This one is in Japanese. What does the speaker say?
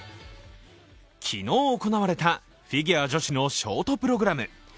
昨日行われたフィギュア女子のショートプログラム。